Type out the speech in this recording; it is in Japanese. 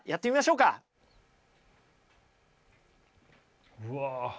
うわ。